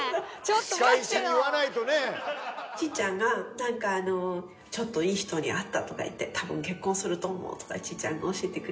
ちーちゃんがなんかあの「ちょっといい人に会った」とか言って「多分結婚すると思う」とかちーちゃんが教えてくれた。